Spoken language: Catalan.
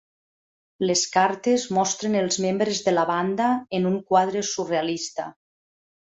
Les cartes mostren els membres de la banda en un quadre surrealista.